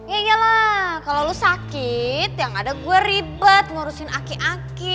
iya lah kalau lo sakit yang ada gue ribet ngurusin aki aki